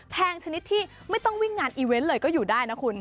แพงชนิดที่ไม่ต้องวิ่งงานอีเวนต์เลยก็อยู่ได้นะคุณ